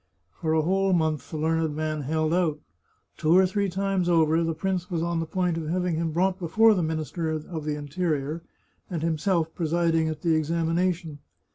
For a whole month the learned man held out. Two or three times over, the prince was on the point of having him brought before the Minister of the Interior, and himself presiding at the examination.